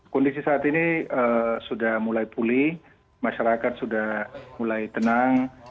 kondisi saat ini sudah mulai pulih masyarakat sudah mulai tenang